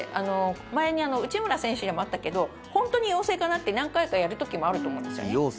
前に内村選手にもあったけど本当に陽性かなって何回かやる時もあると思うんですよね。